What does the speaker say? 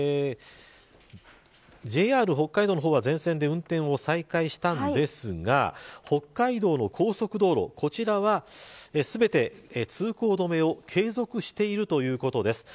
ＪＲ北海道の方は全線で運転を再開したんですが北海道の高速道路、こちらは全て通行止めを継続しているということです。